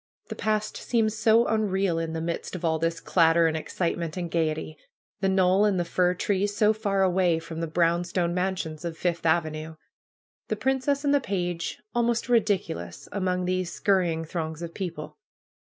The past seemed so unreal, in the midst of all this clatter, and excitement and gayety; the knoll and the fir trees so far away from the brown stone mansions of Fifth Avenue; the princess and the page almost ridiculous among these scurrying throngs of people.